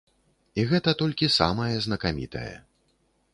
І гэта толькі самае знакамітае.